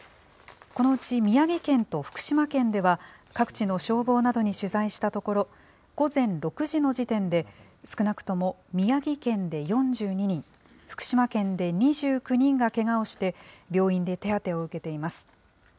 このうち宮城県と福島県では、各地の消防などに取材したところ、午前６時の時点で、少なくとも宮城県で４２人、福島県で２９人がけがをして、病院で手当てを受けています。